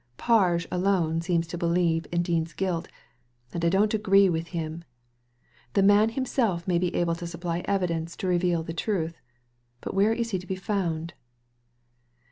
Parg^e alone seems to believe in Dean's guilty and I don't agree with him. The man himself may be able to supply evidence to reveal the truth ; but where is he to be found